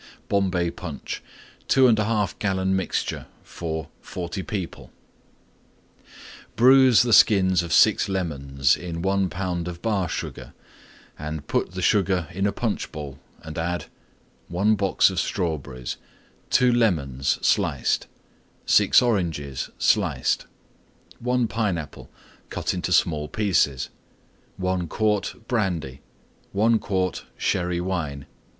BOMBAY PUNCH (2 1/2 gallon mixture for 40 people) Bruise the skins of 6 Lemons in 1 lb. of Bar sugar and put the Sugar in a Punch bowl and add: 1 box Strawberries. 2 Lemons, sliced. 6 Oranges, sliced. 1 Pineapple, cut into small pieces. 1 quart Brandy. 1 quart Sherry Wine.